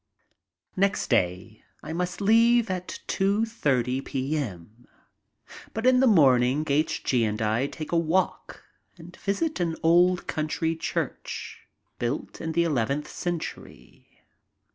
Next day I must leave at 2.30 p.m., but in the morning H. G. and I take a walk and visit an old country church built in the eleventh century.